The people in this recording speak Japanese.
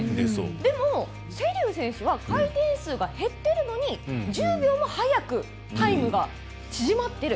でも、瀬立選手は回転数が減っているのに１０秒を早くタイムが縮まっている。